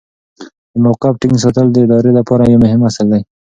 د موقف ټینګ ساتل د ادارې لپاره یو مهم اصل دی.